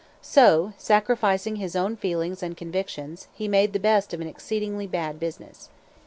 So, sacrificing his own feelings and convictions, he made the best of an exceedingly bad business.